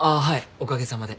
おかげさまで。